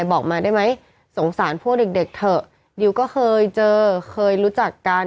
บอกมาได้ไหมสงสารพวกเด็กเถอะดิวก็เคยเจอเคยรู้จักกัน